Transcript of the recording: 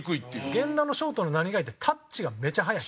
源田のショートの何がいいってタッチがめちゃ速い。